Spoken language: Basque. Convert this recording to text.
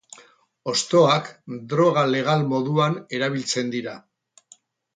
Hostoak droga legal moduan erabiltzen dira.